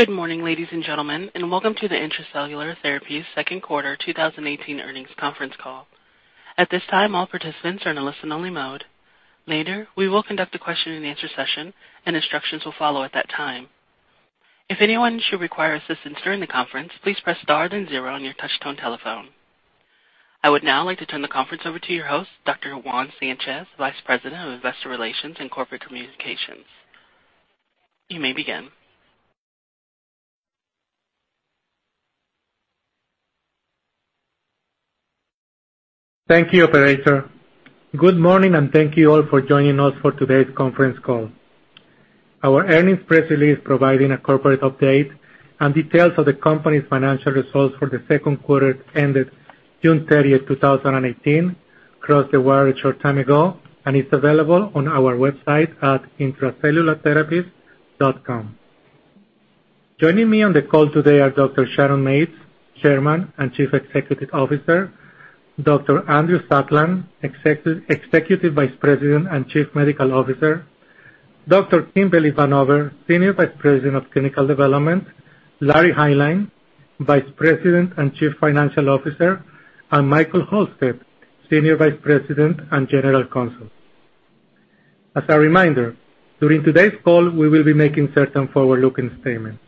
Good morning, ladies and gentlemen, and welcome to the Intra-Cellular Therapies second quarter 2018 earnings conference call. At this time, all participants are in a listen only mode. Later, we will conduct a question and answer session and instructions will follow at that time. If anyone should require assistance during the conference, please press star then zero on your touchtone telephone. I would now like to turn the conference over to your host, Dr. Juan Sanchez, Vice President of Investor Relations and Corporate Communications. You may begin. Thank you, operator. Good morning, and thank you all for joining us for today's conference call. Our earnings press release providing a corporate update and details of the company's financial results for the second quarter that ended June 30th, 2018, crossed the wire a short time ago and is available on our website at intracellulartherapies.com. Joining me on the call today are Dr. Sharon Mates, Chairman and Chief Executive Officer, Dr. Suresh Durgam, Executive Vice President and Chief Medical Officer, Dr. Kimberly Vanover, Senior Vice President of Clinical Development, Larry Hineline, Vice President and Chief Financial Officer, Michael Halstead, Senior Vice President and General Counsel. As a reminder, during today's call, we will be making certain forward-looking statements.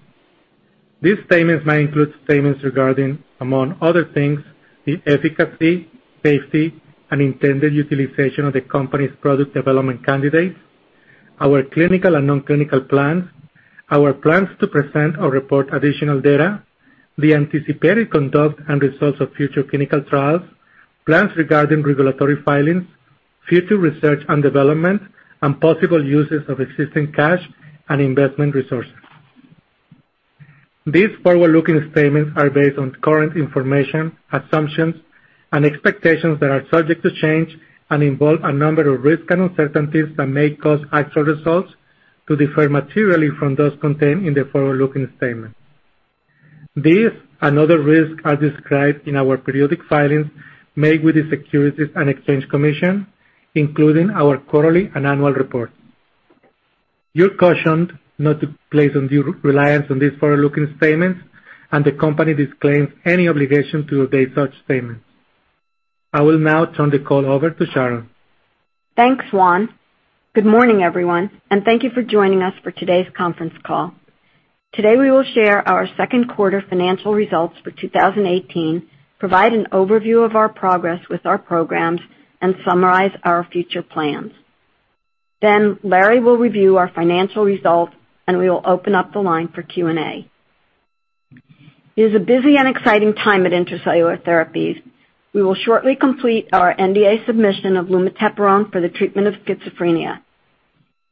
These statements may include statements regarding, among other things, the efficacy, safety, and intended utilization of the company's product development candidates, our clinical and non-clinical plans, our plans to present or report additional data, the anticipated conduct and results of future clinical trials, plans regarding regulatory filings, future research and development, and possible uses of existing cash and investment resources. These forward-looking statements are based on current information, assumptions, and expectations that are subject to change and involve a number of risks and uncertainties that may cause actual results to differ materially from those contained in the forward-looking statements. These and other risks are described in our periodic filings made with the Securities and Exchange Commission, including our quarterly and annual report. You're cautioned not to place undue reliance on these forward-looking statements, the company disclaims any obligation to update such statements. I will now turn the call over to Sharon. Thanks, Juan. Good morning, everyone, and thank you for joining us for today's conference call. Today, we will share our second quarter financial results for 2018, provide an overview of our progress with our programs, and summarize our future plans. Larry will review our financial results, and we will open up the line for Q&A. It is a busy and exciting time at Intra-Cellular Therapies. We will shortly complete our NDA submission of lumateperone for the treatment of schizophrenia.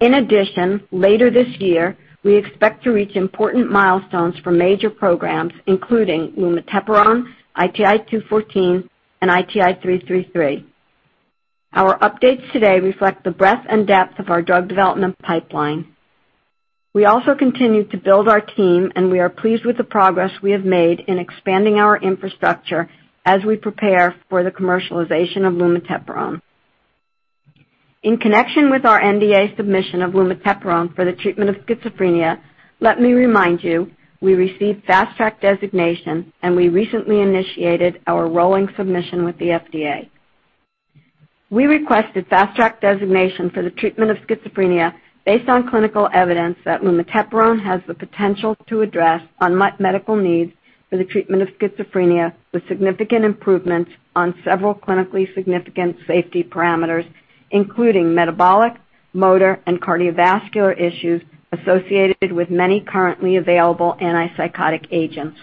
In addition, later this year, we expect to reach important milestones for major programs including lumateperone, ITI-214, and ITI-333. Our updates today reflect the breadth and depth of our drug development pipeline. We also continue to build our team, and we are pleased with the progress we have made in expanding our infrastructure as we prepare for the commercialization of lumateperone. In connection with our NDA submission of lumateperone for the treatment of schizophrenia, let me remind you, we received Fast Track designation, and we recently initiated our rolling submission with the FDA. We requested Fast Track designation for the treatment of schizophrenia based on clinical evidence that lumateperone has the potential to address unmet medical needs for the treatment of schizophrenia with significant improvements on several clinically significant safety parameters, including metabolic, motor, and cardiovascular issues associated with many currently available antipsychotic agents.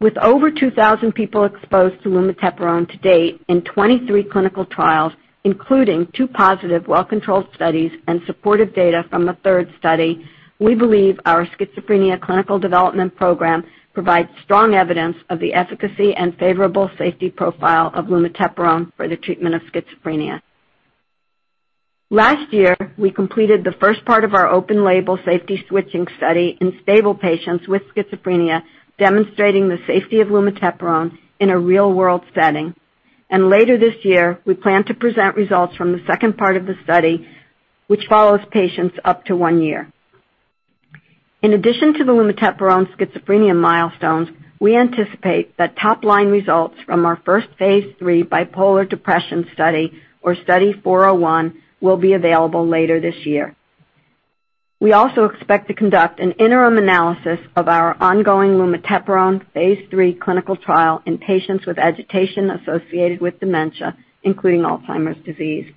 With over 2,000 people exposed to lumateperone to date in 23 clinical trials, including two positive, well-controlled studies and supportive data from a third study, we believe our schizophrenia clinical development program provides strong evidence of the efficacy and favorable safety profile of lumateperone for the treatment of schizophrenia. Last year, we completed the first part of our open label safety switching study in stable patients with schizophrenia, demonstrating the safety of lumateperone in a real-world setting. Later this year, we plan to present results from the second part of the study, which follows patients up to one year. In addition to the lumateperone schizophrenia milestones, we anticipate that top-line results from our first phase III bipolar depression study, or Study 401, will be available later this year. We also expect to conduct an interim analysis of our ongoing lumateperone phase III clinical trial in patients with agitation associated with dementia, including Alzheimer's disease.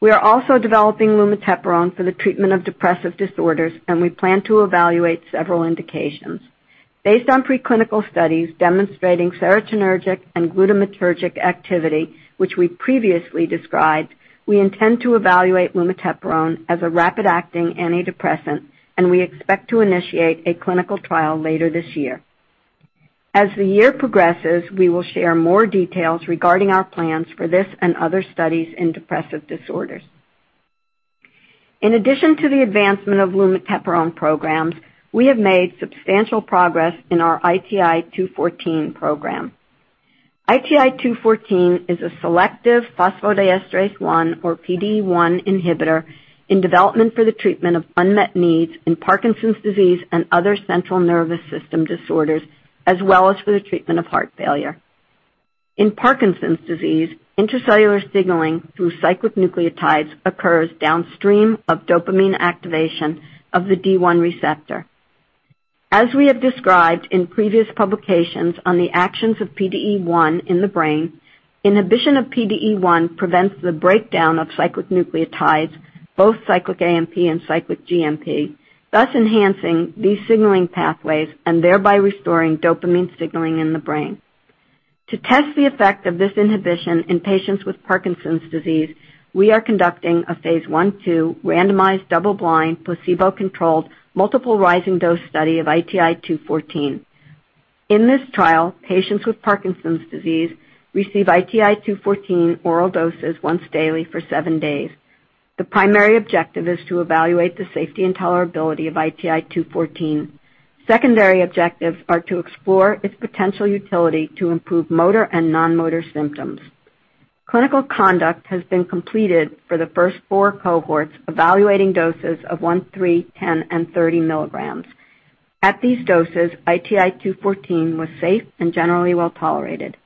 We are also developing lumateperone for the treatment of depressive disorders, and we plan to evaluate several indications. Based on preclinical studies demonstrating serotonergic and glutamatergic activity, which we previously described, we intend to evaluate lumateperone as a rapid-acting antidepressant, and we expect to initiate a clinical trial later this year. As the year progresses, we will share more details regarding our plans for this and other studies in depressive disorders. In addition to the advancement of lumateperone programs, we have made substantial progress in our ITI-214 program. ITI-214 is a selective phosphodiesterase 1, or PDE1 inhibitor in development for the treatment of unmet needs in Parkinson's disease and other central nervous system disorders, as well as for the treatment of heart failure. In Parkinson's disease, intracellular signaling through cyclic nucleotides occurs downstream of dopamine activation of the D1 receptor. As we have described in previous publications on the actions of PDE1 in the brain, inhibition of PDE1 prevents the breakdown of cyclic nucleotides, both cyclic AMP and cyclic GMP, thus enhancing these signaling pathways and thereby restoring dopamine signaling in the brain. To test the effect of this inhibition in patients with Parkinson's disease, we are conducting a phase I/II randomized, double-blind, placebo-controlled, multiple rising dose study of ITI-214. In this trial, patients with Parkinson's disease receive ITI-214 oral doses once daily for seven days. The primary objective is to evaluate the safety and tolerability of ITI-214. Secondary objectives are to explore its potential utility to improve motor and non-motor symptoms. Clinical conduct has been completed for the first four cohorts, evaluating doses of one, three, 10 and 30 milligrams. At these doses, ITI-214 was safe and generally well-tolerated.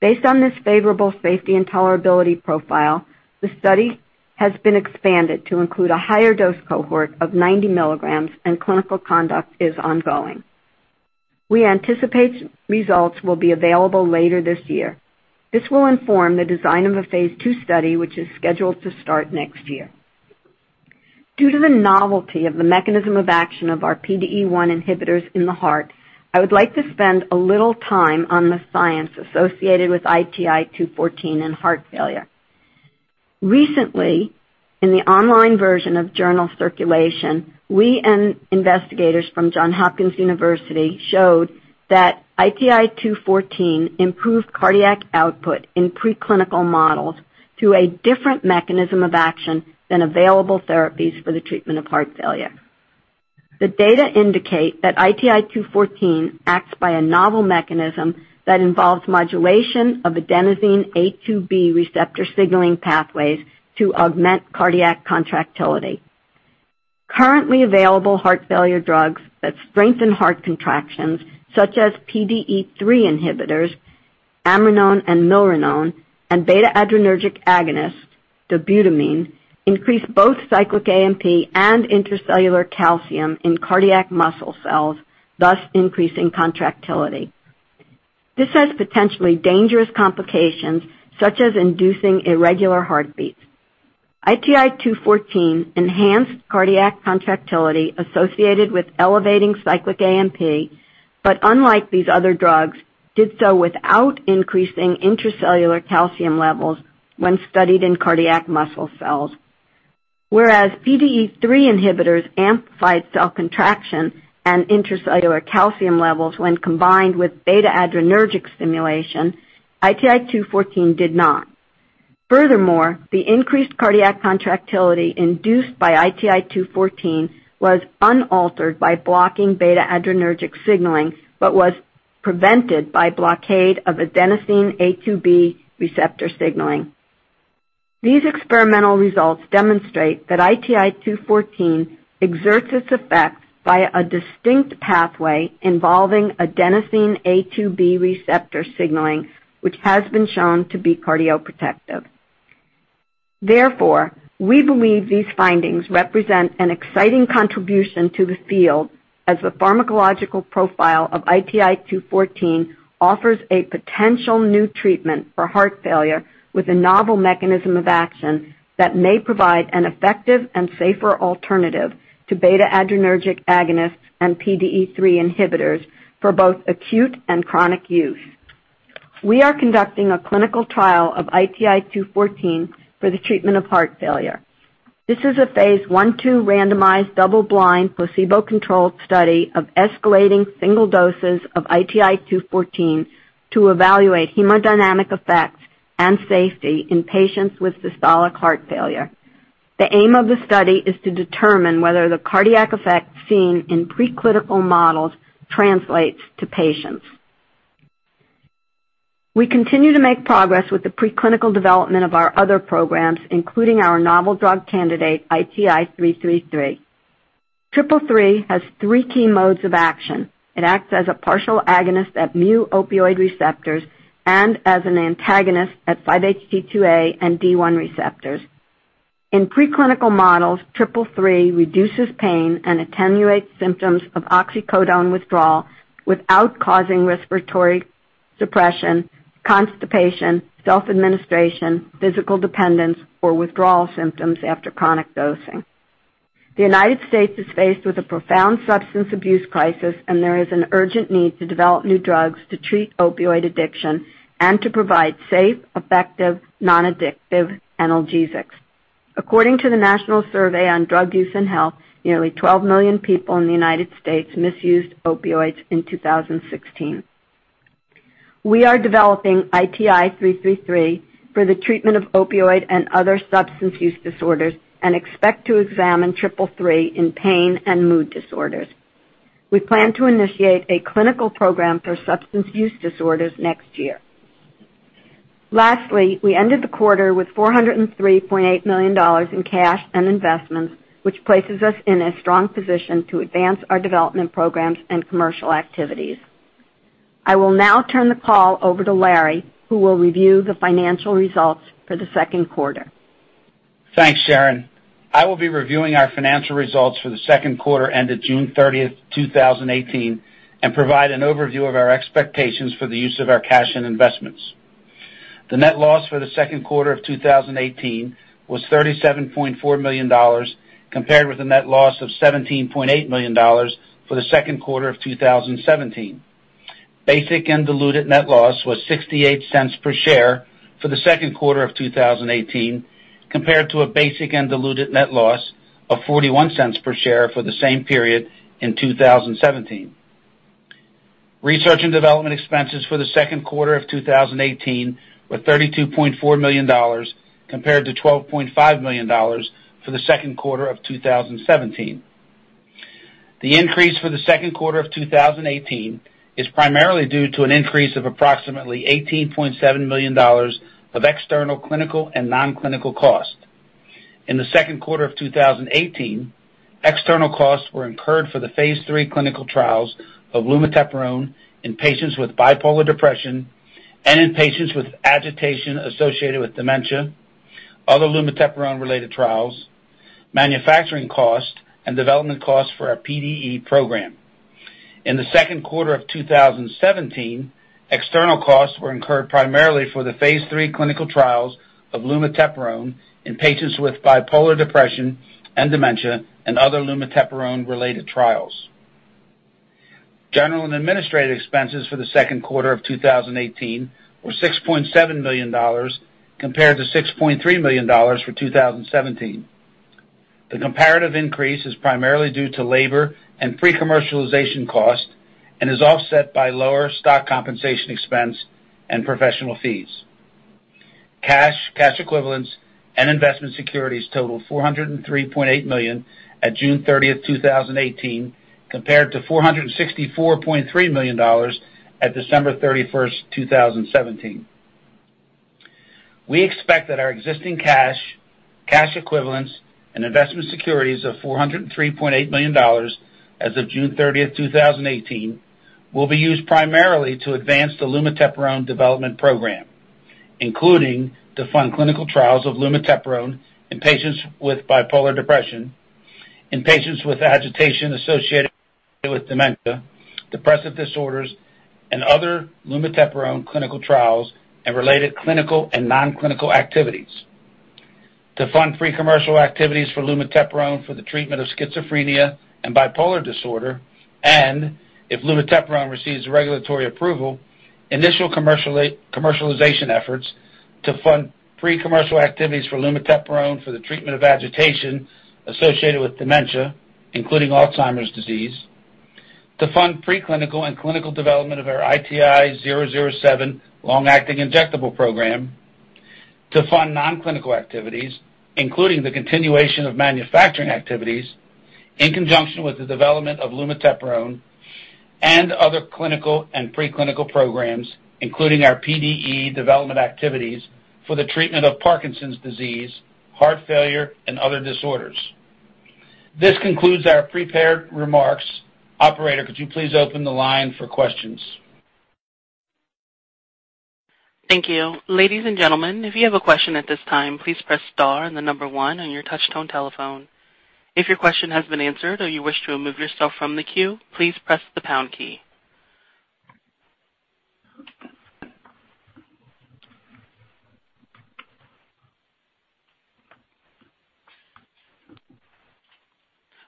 Based on this favorable safety and tolerability profile, the study has been expanded to include a higher dose cohort of 90 milligrams and clinical conduct is ongoing. We anticipate results will be available later this year. This will inform the design of a phase II study, which is scheduled to start next year. Due to the novelty of the mechanism of action of our PDE1 inhibitors in the heart, I would like to spend a little time on the science associated with ITI-214 and heart failure. Recently, in the online version of Circulation, we and investigators from Johns Hopkins University showed that ITI-214 improved cardiac output in preclinical models through a different mechanism of action than available therapies for the treatment of heart failure. The data indicate that ITI-214 acts by a novel mechanism that involves modulation of adenosine A2B receptor signaling pathways to augment cardiac contractility. Currently available heart failure drugs that strengthen heart contractions, such as PDE3 inhibitors, amrinone and milrinone, and beta-adrenergic agonist, dobutamine, increase both cyclic AMP and intracellular calcium in cardiac muscle cells, thus increasing contractility. This has potentially dangerous complications, such as inducing irregular heartbeats. ITI-214 enhanced cardiac contractility associated with elevating cyclic AMP, but unlike these other drugs, did so without increasing intracellular calcium levels when studied in cardiac muscle cells. Whereas PDE3 inhibitors amplified cell contraction and intracellular calcium levels when combined with beta-adrenergic stimulation, ITI-214 did not. Furthermore, the increased cardiac contractility induced by ITI-214 was unaltered by blocking beta-adrenergic signaling but was prevented by blockade of adenosine A2B receptor signaling. These experimental results demonstrate that ITI-214 exerts its effect by a distinct pathway involving adenosine A2B receptor signaling, which has been shown to be cardioprotective. We believe these findings represent an exciting contribution to the field as the pharmacological profile of ITI-214 offers a potential new treatment for heart failure with a novel mechanism of action that may provide an effective and safer alternative to beta-adrenergic agonists and PDE3 inhibitors for both acute and chronic use. We are conducting a clinical trial of ITI-214 for the treatment of heart failure. This is a phase I/II randomized, double-blind, placebo-controlled study of escalating single doses of ITI-214 to evaluate hemodynamic effects and safety in patients with systolic heart failure. The aim of the study is to determine whether the cardiac effect seen in preclinical models translates to patients. We continue to make progress with the preclinical development of our other programs, including our novel drug candidate, ITI-333. Triple three has three key modes of action. It acts as a partial agonist at mu-opioid receptors and as an antagonist at 5-HT2A and D1 receptors. In preclinical models, triple three reduces pain and attenuates symptoms of oxycodone withdrawal without causing respiratory depression, constipation, self-administration, physical dependence, or withdrawal symptoms after chronic dosing. The United States is faced with a profound substance abuse crisis, and there is an urgent need to develop new drugs to treat opioid addiction and to provide safe, effective, non-addictive analgesics. According to the National Survey on Drug Use and Health, nearly 12 million people in the United States misused opioids in 2016. We are developing ITI-333 for the treatment of opioid and other substance use disorders and expect to examine triple three in pain and mood disorders. We plan to initiate a clinical program for substance use disorders next year. Lastly, we ended the quarter with $403.8 million in cash and investments, which places us in a strong position to advance our development programs and commercial activities. I will now turn the call over to Larry, who will review the financial results for the second quarter. Thanks, Sharon. I will be reviewing our financial results for the second quarter ended June 30th, 2018, and provide an overview of our expectations for the use of our cash and investments. The net loss for the second quarter of 2018 was $37.4 million, compared with a net loss of $17.8 million for the second quarter of 2017. Basic and diluted net loss was $0.68 per share for the second quarter of 2018, compared to a basic and diluted net loss of $0.41 per share for the same period in 2017. Research and development expenses for the second quarter of 2018 were $32.4 million, compared to $12.5 million for the second quarter of 2017. The increase for the second quarter of 2018 is primarily due to an increase of approximately $18.7 million of external clinical and non-clinical cost. In the second quarter of 2018, external costs were incurred for the phase III clinical trials of lumateperone in patients with bipolar depression and in patients with agitation associated with dementia, other lumateperone-related trials, manufacturing costs, and development costs for our PDE program. In the second quarter of 2017, external costs were incurred primarily for the phase III clinical trials of lumateperone in patients with bipolar depression and dementia, and other lumateperone-related trials. General and administrative expenses for the second quarter of 2018 were $6.7 million, compared to $6.3 million for 2017. The comparative increase is primarily due to labor and pre-commercialization costs and is offset by lower stock compensation expense and professional fees. Cash, cash equivalents, and investment securities totaled $403.8 million at June 30th, 2018, compared to $464.3 million at December 31st, 2017. We expect that our existing cash equivalents, and investment securities of $403.8 million as of June 30th, 2018, will be used primarily to advance the lumateperone development program, including to fund clinical trials of lumateperone in patients with bipolar depression, in patients with agitation associated with dementia, depressive disorders, and other lumateperone clinical trials and related clinical and non-clinical activities to fund pre-commercial activities for lumateperone for the treatment of schizophrenia and bipolar disorder. If lumateperone receives regulatory approval, initial commercialization efforts to fund pre-commercial activities for lumateperone for the treatment of agitation associated with dementia, including Alzheimer's disease, to fund pre-clinical and clinical development of our ITI-007 long-acting injectable program, to fund non-clinical activities, including the continuation of manufacturing activities in conjunction with the development of lumateperone and other clinical and pre-clinical programs, including our PDE development activities for the treatment of Parkinson's disease, heart failure, and other disorders. This concludes our prepared remarks. Operator, could you please open the line for questions? Thank you. Ladies and gentlemen, if you have a question at this time, please press star and the number one on your touch-tone telephone. If your question has been answered or you wish to remove yourself from the queue, please press the pound key.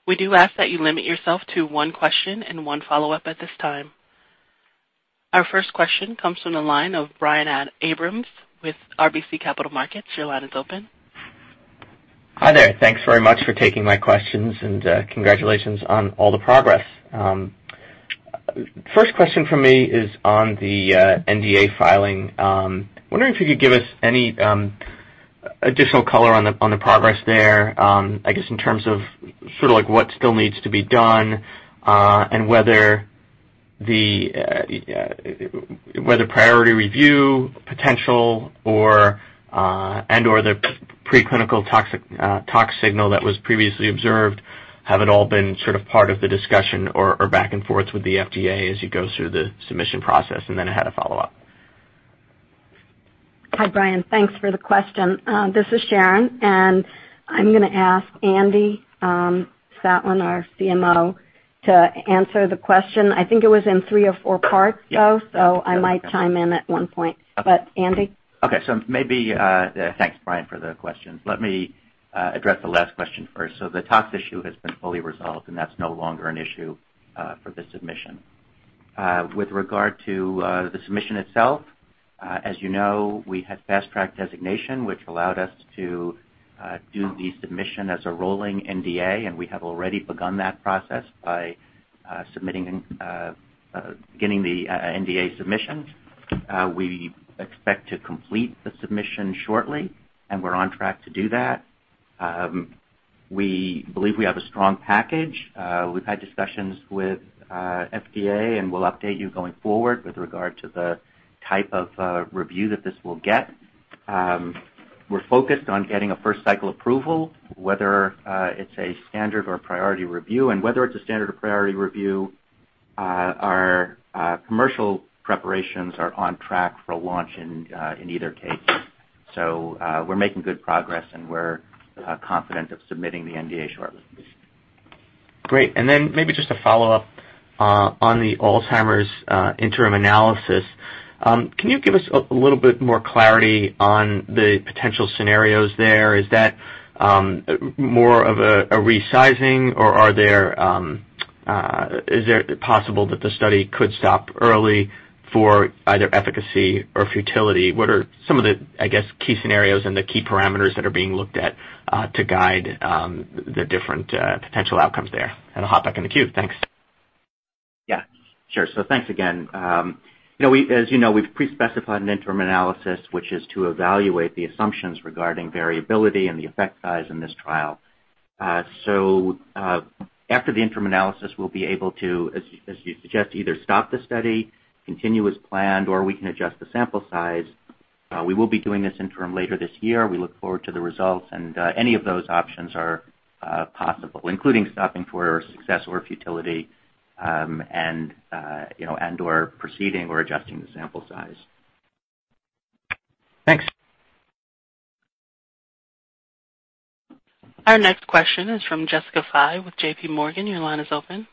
We do ask that you limit yourself to one question and one follow-up at this time. Our first question comes from the line of Brian Abrahams with RBC Capital Markets. Your line is open. Hi there. Thanks very much for taking my questions and congratulations on all the progress. First question from me is on the NDA filing. I'm wondering if you could give us any additional color on the progress there, I guess, in terms of what still needs to be done, and whether priority review potential and/or the pre-clinical tox signal that was previously observed, have at all been part of the discussion or back and forth with the FDA as you go through the submission process? Then I had a follow-up. Hi, Brian. Thanks for the question. This is Sharon. I'm going to ask Andrew Satlin, our CMO, to answer the question. I think it was in three or four parts, though. Yeah. I might chime in at one point. Okay. Andy? Okay. Thanks, Brian, for the questions. Let me address the last question first. The tox issue has been fully resolved, and that's no longer an issue for the submission. With regard to the submission itself, as you know, we had Fast Track designation, which allowed us to do the submission as a rolling NDA, and we have already begun that process by beginning the NDA submission. We expect to complete the submission shortly, and we're on track to do that. We believe we have a strong package. We've had discussions with FDA, and we'll update you going forward with regard to the type of review that this will get. We're focused on getting a first cycle approval, whether it's a standard or priority review. Whether it's a standard or priority review, our commercial preparations are on track for launch in either case. We're making good progress, and we're confident of submitting the NDA shortly. Great. Then maybe just a follow-up on the Alzheimer's interim analysis. Can you give us a little bit more clarity on the potential scenarios there? Is that more of a resizing, or is it possible that the study could stop early for either efficacy or futility? What are some of the, I guess, key scenarios and the key parameters that are being looked at to guide the different potential outcomes there? I'll hop back in the queue. Thanks. Yeah, sure. Thanks again. As you know, we've pre-specified an interim analysis, which is to evaluate the assumptions regarding variability and the effect size in this trial. After the interim analysis, we'll be able to, as you suggest, either stop the study, continue as planned, or we can adjust the sample size. We will be doing this interim later this year. We look forward to the results, and any of those options are possible, including stopping for success or futility, and/or proceeding or adjusting the sample size. Thanks. Our next question is from Jessica Fye with J.P. Morgan. Your line is open.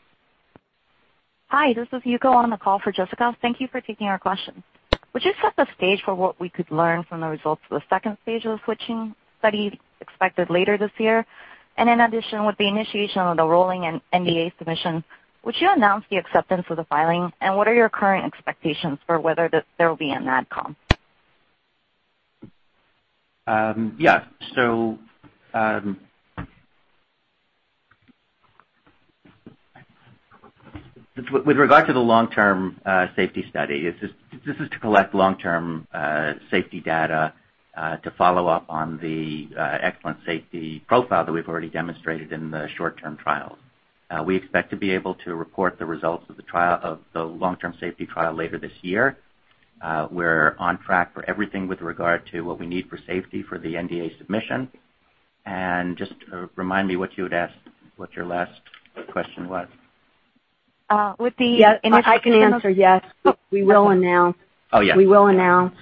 Hi, this is Yuko on the call for Jessica. Thank you for taking our question. Would you set the stage for what we could learn from the results of the stage 2 of the switching study expected later this year? In addition, with the initiation of the rolling and NDA submission, would you announce the acceptance of the filing, and what are your current expectations for whether there will be an ad com? Yes. With regard to the long-term safety study, this is to collect long-term safety data to follow up on the excellent safety profile that we've already demonstrated in the short-term trials. We expect to be able to report the results of the long-term safety trial later this year. We're on track for everything with regard to what we need for safety for the NDA submission. Just remind me what your last question was. With Yes, I can answer, yes. We will Oh, yes. We will announce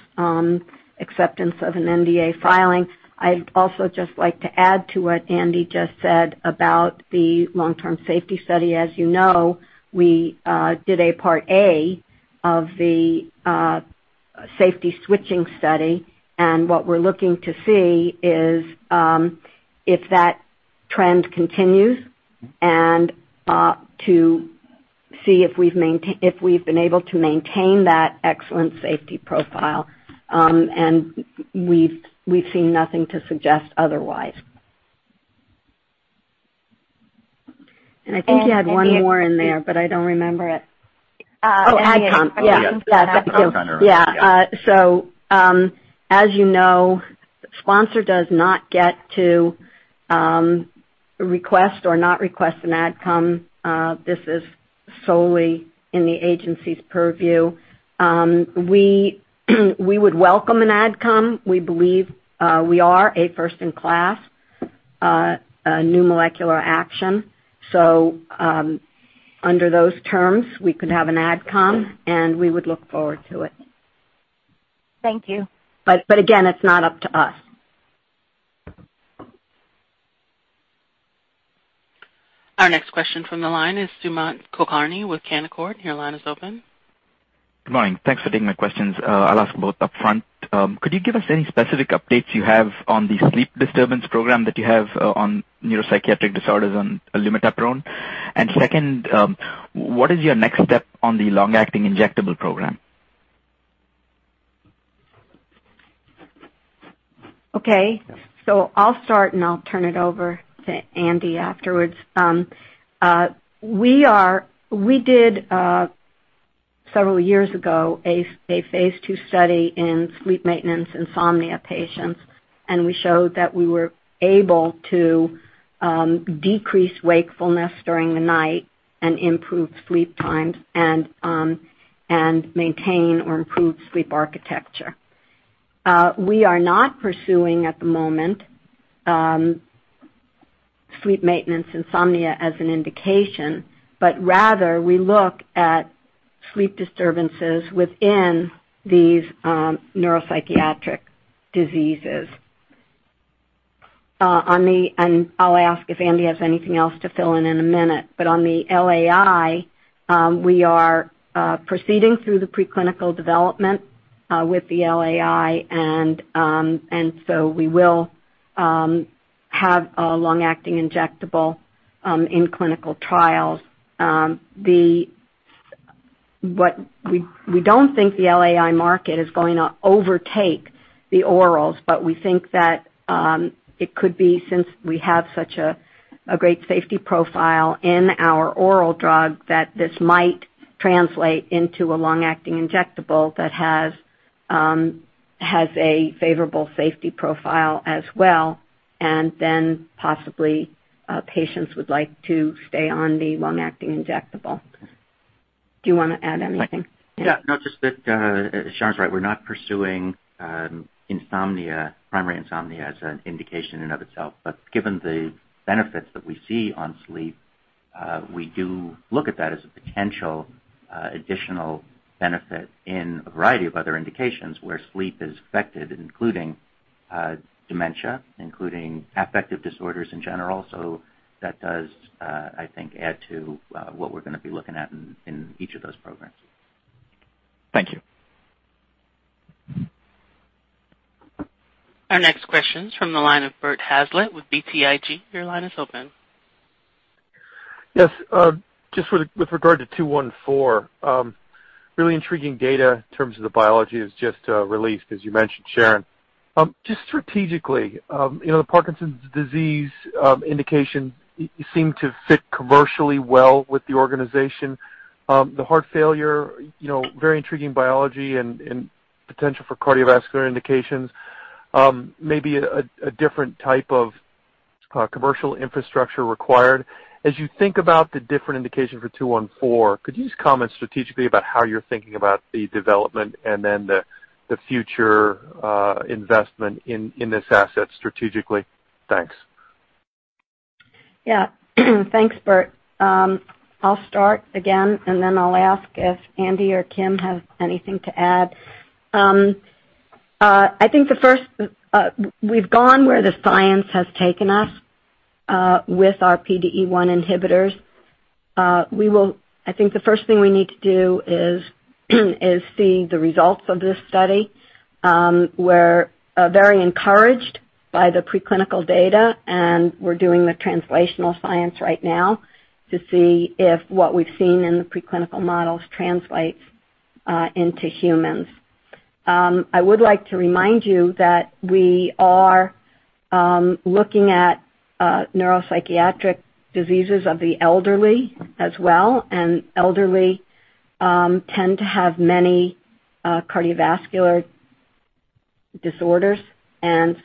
acceptance of an NDA filing. I'd also just like to add to what Andy just said about the long-term safety study. As you know, we did a part A of the safety switching study, and what we're looking to see is if that trend continues and to see if we've been able to maintain that excellent safety profile. We've seen nothing to suggest otherwise. I think you had one more in there, but I don't remember it. Oh, Advisory Committee. Yeah. Oh, yes. Yeah. Thank you. Yeah. As you know, sponsor does not get to request or not request an Advisory Committee. This is solely in the agency's purview. We would welcome an Advisory Committee. We believe we are a first-in-class new molecular action. Under those terms, we could have an Advisory Committee, we would look forward to it. Thank you. Again, it's not up to us. Our next question from the line is Sumant Kulkarni with Canaccord. Your line is open. Good morning. Thanks for taking my questions. I'll ask both upfront. Could you give us any specific updates you have on the sleep disturbance program that you have on neuropsychiatric disorders on lumateperone? Second, what is your next step on the long-acting injectable program? I'll start, and I'll turn it over to Andy afterwards. We did, several years ago, a phase II study in sleep maintenance insomnia patients, and we showed that we were able to decrease wakefulness during the night and improve sleep times and maintain or improve sleep architecture. We are not pursuing, at the moment, sleep maintenance insomnia as an indication, but rather we look at sleep disturbances within these neuropsychiatric diseases. I'll ask if Andy has anything else to fill in in a minute. On the LAI, we are proceeding through the preclinical development with the LAI, we will have a long-acting injectable in clinical trials. We don't think the LAI market is going to overtake the orals, we think that it could be, since we have such a great safety profile in our oral drug, that this might translate into a long-acting injectable that has a favorable safety profile as well, possibly patients would like to stay on the long-acting injectable. Do you want to add anything? Yeah, no, just that Sharon's right. We're not pursuing primary insomnia as an indication in and of itself, Given the benefits that we see on sleep, we do look at that as a potential additional benefit in a variety of other indications where sleep is affected, including dementia, including affective disorders in general. That does, I think, add to what we're going to be looking at in each of those programs. Thank you. Our next question is from the line of Robert Hazlett with BTIG. Your line is open. Yes. Just with regard to 214, really intriguing data in terms of the biology that was just released, as you mentioned, Sharon. Just strategically, the Parkinson's disease indication seemed to fit commercially well with the organization. The heart failure, very intriguing biology and potential for cardiovascular indications. Maybe a different type of commercial infrastructure required. As you think about the different indication for 214, could you just comment strategically about how you're thinking about the development and then the future investment in this asset strategically? Thanks. Yeah. Thanks, Bert. I'll start again, then I'll ask if Andy or Kim have anything to add. We've gone where the science has taken us with our PDE1 inhibitors. I think the first thing we need to do is see the results of this study. We're very encouraged by the preclinical data, and we're doing the translational science right now to see if what we've seen in the preclinical models translates into humans. I would like to remind you that we are looking at neuropsychiatric diseases of the elderly as well,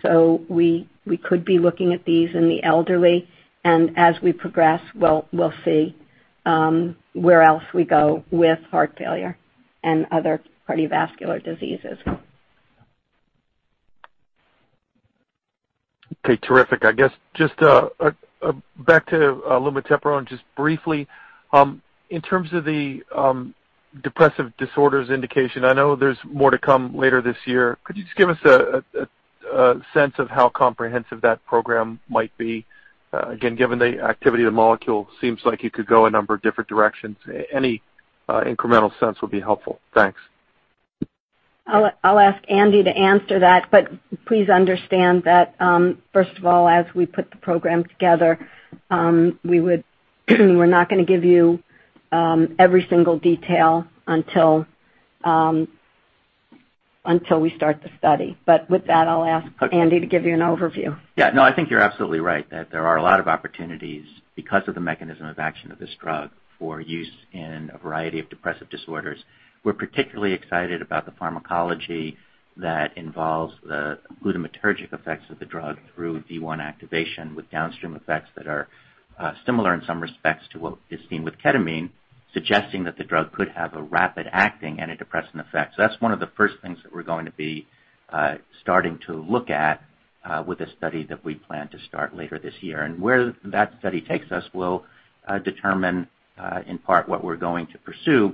so we could be looking at these in the elderly. As we progress, we'll see where else we go with heart failure and other cardiovascular diseases. Okay, terrific. I guess just back to lumateperone, just briefly. In terms of the depressive disorders indication, I know there's more to come later this year. Could you just give us a sense of how comprehensive that program might be? Again, given the activity of the molecule, seems like you could go a number of different directions. Any incremental sense would be helpful. Thanks. I'll ask Andy to answer that, please understand that, first of all, as we put the program together, we're not going to give you every single detail until we start the study. With that, I'll ask Andy to give you an overview. Yeah, no, I think you're absolutely right that there are a lot of opportunities because of the mechanism of action of this drug for use in a variety of depressive disorders. We're particularly excited about the pharmacology that involves the glutamatergic effects of the drug through D1 activation with downstream effects that are similar in some respects to what is seen with ketamine, suggesting that the drug could have a rapid-acting antidepressant effect. That's one of the first things that we're going to be starting to look at with the study that we plan to start later this year. Where that study takes us will determine, in part, what we're going to pursue.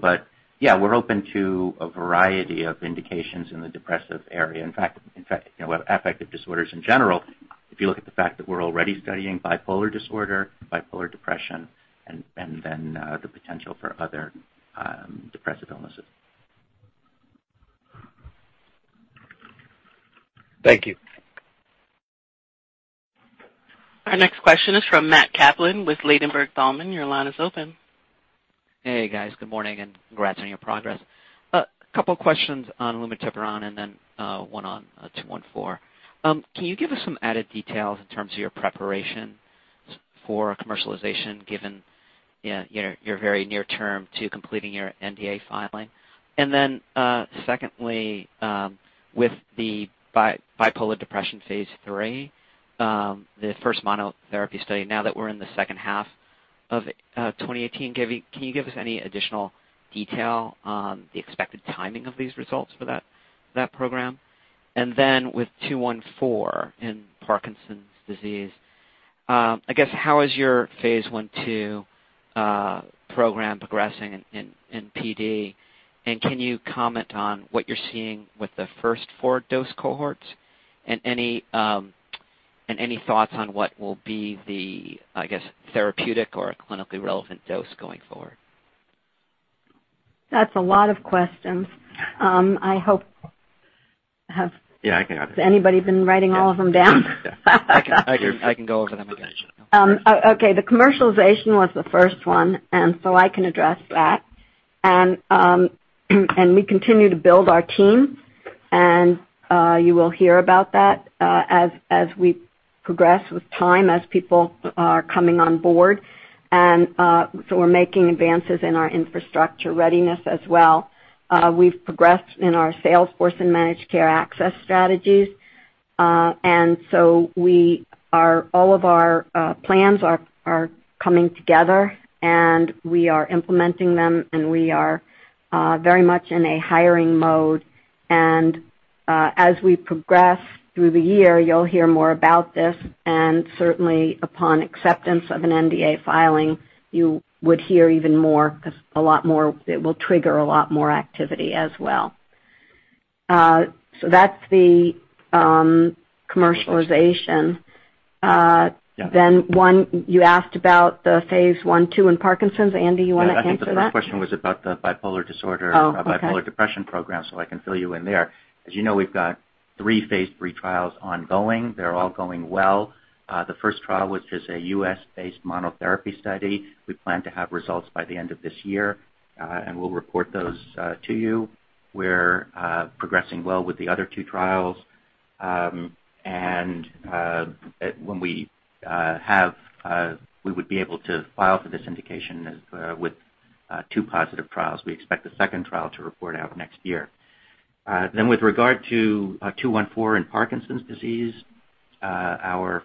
Yeah, we're open to a variety of indications in the depressive area. In fact, affective disorders in general, if you look at the fact that we're already studying bipolar disorder, bipolar depression, and then the potential for other depressive illnesses. Thank you. Our next question is from Matthew Kaplan with Ladenburg Thalmann. Your line is open. Hey, guys. Good morning, and congrats on your progress. A couple questions on lumateperone and then one on ITI-214. Can you give us some added details in terms of your preparation for commercialization, given you're very near term to completing your NDA filing? Secondly, with the bipolar depression phase III, the first monotherapy study, now that we're in the second half of 2018, can you give us any additional detail on the expected timing of these results for that program? With ITI-214 in Parkinson's disease, how is your phase I, II program progressing in PD? Can you comment on what you're seeing with the first 4 dose cohorts? Any thoughts on what will be the, I guess, therapeutic or clinically relevant dose going forward? That's a lot of questions. I hope. Yeah, I. Has anybody been writing all of them down? I can go over them again. Okay. The commercialization was the first one. I can address that. We continue to build our team. You will hear about that as we progress with time as people are coming on board. We're making advances in our infrastructure readiness as well. We've progressed in our sales force and managed care access strategies. All of our plans are coming together, and we are implementing them, and we are very much in a hiring mode. As we progress through the year, you'll hear more about this, and certainly upon acceptance of an NDA filing, you would hear even more because it will trigger a lot more activity as well. That's the commercialization. Yeah. One, you asked about the phase I, II in Parkinson's. Andy, you want to answer that? Yeah. I think the first question was about the bipolar disorder- Oh, okay. -or bipolar depression program. I can fill you in there. As you know, we've got 3 phase III trials ongoing. They're all going well. The first trial, which is a U.S.-based monotherapy study, we plan to have results by the end of this year, and we'll report those to you. We're progressing well with the other two trials. When we would be able to file for this indication is with two positive trials. We expect the second trial to report out next year. With regard to ITI-214 in Parkinson's disease, our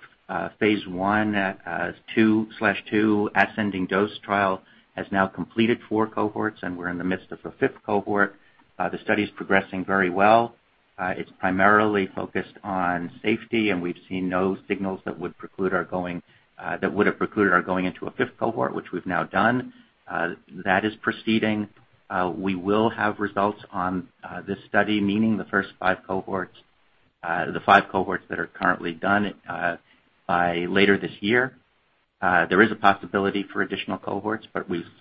phase I/II ascending dose trial has now completed 4 cohorts, and we're in the midst of a fifth cohort. The study's progressing very well. It's primarily focused on safety, and we've seen no signals that would have precluded our going into a fifth cohort, which we've now done. That is proceeding. We will have results on this study, meaning the 5 cohorts that are currently done, by later this year. There is a possibility for additional cohorts.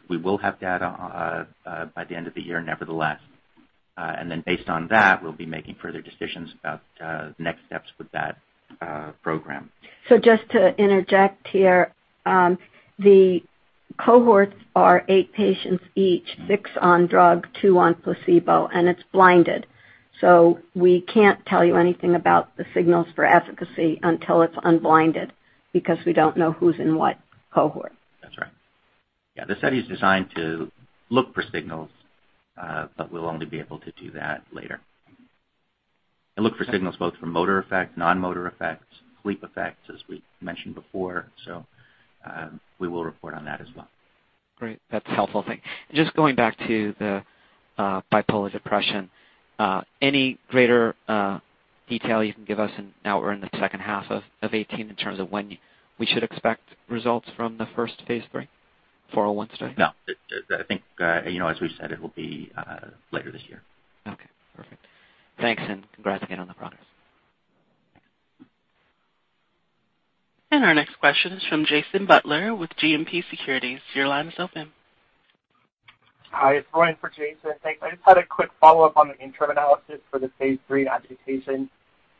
We will have data by the end of the year nevertheless. Based on that, we'll be making further decisions about next steps with that program. Just to interject here. The cohorts are eight patients each, six on drug, two on placebo, and it's blinded. We can't tell you anything about the signals for efficacy until it's unblinded because we don't know who's in what cohort. That's right. Yeah, the study is designed to look for signals, but we'll only be able to do that later. Look for signals both for motor effect, non-motor effects, sleep effects as we mentioned before. We will report on that as well. Great. That's a helpful thing. Just going back to the bipolar depression, any greater detail you can give us now we're in the second half of 2018 in terms of when we should expect results from the first phase III Study 401? No. I think, as we've said, it will be later this year. Okay. Perfect. Thanks, congrats again on the progress. Thanks. Our next question is from Jason Butler with JMP Securities. Your line is open. Hi, it's Ryan for Jason. Thanks. I just had a quick follow-up on the interim analysis for the phase III agitation.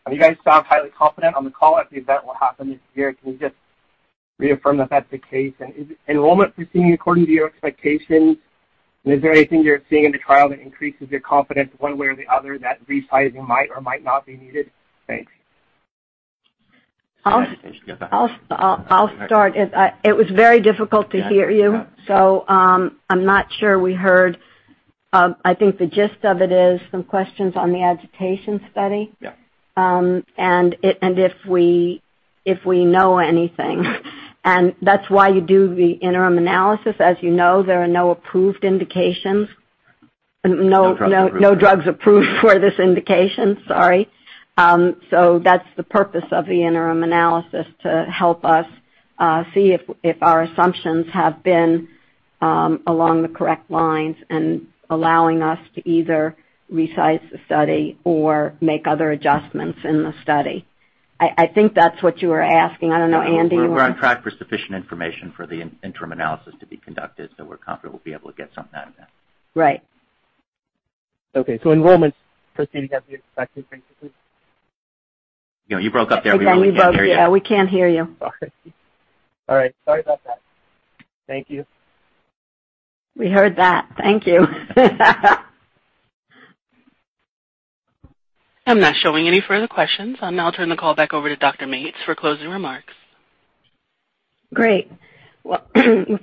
You guys sound highly confident on the call that the event will happen this year. Can you just reaffirm that that's the case? Is enrollment proceeding according to your expectations? Is there anything you're seeing in the trial that increases your confidence one way or the other that re-sizing might or might not be needed? Thanks. I'll start. It was very difficult to hear you. Yeah. I'm not sure we heard. I think the gist of it is some questions on the agitation study. Yeah. If we know anything. That's why you do the interim analysis. As you know, there are no approved indications. No drugs approved. No drugs approved for this indication, sorry. That's the purpose of the interim analysis, to help us see if our assumptions have been along the correct lines and allowing us to either resize the study or make other adjustments in the study. I think that's what you were asking. I don't know, Andy? We're on track for sufficient information for the interim analysis to be conducted. We're confident we'll be able to get something out of that. Right. Enrollment's proceeding as you expected, basically? You broke up there. We really can't hear you. We can't hear you. Sorry. All right. Sorry about that. Thank you. We heard that. Thank you. I'm not showing any further questions. I'll now turn the call back over to Dr. Mates for closing remarks. Great. Well,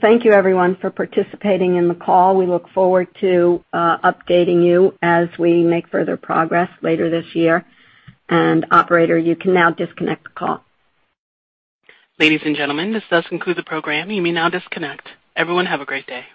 thank you everyone for participating in the call. We look forward to updating you as we make further progress later this year. Operator, you can now disconnect the call. Ladies and gentlemen, this does conclude the program. You may now disconnect. Everyone have a great day.